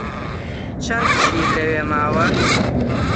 چەند شیر لەوێ ماوە؟